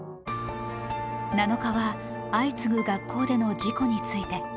７日は相次ぐ学校での事故について。